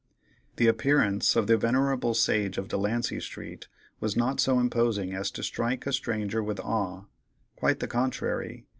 The appearance of the venerable sage of Delancey street was not so imposing as to strike a stranger with awe—quite the contrary.